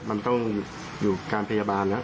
มันต้องอยู่การพยาบาลแล้ว